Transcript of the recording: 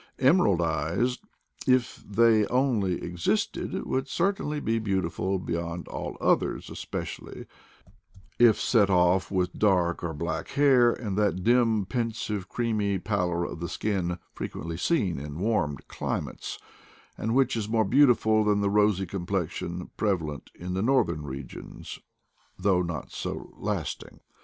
Emerald eyes, if they only existed, would certainly be beau tiful beyond all others, especially if set off with dark or black hair and that dim pensive creamy pallor of the skin frequently seen in warm cli mates, and which is more beautiful than the rosy complexion prevalent in northern regions, though not so lasting.